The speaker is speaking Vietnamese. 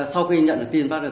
sau khi nhận được tin phát ra